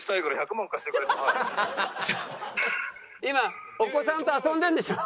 今お子さんと遊んでるんでしょ？